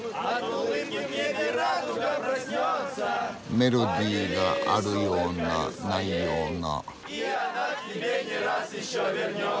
メロディーがあるようなないような。